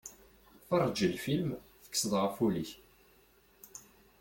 Ferrej lfilm, tekkseḍ ɣef ul-ik.